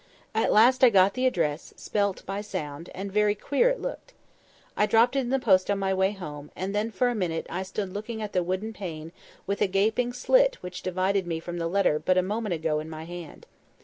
At last I got the address, spelt by sound, and very queer it looked. I dropped it in the post on my way home, and then for a minute I stood looking at the wooden pane with a gaping slit which divided me from the letter but a moment ago in my hand.